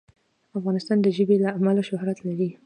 افغانستان د ژبې له امله شهرت لري.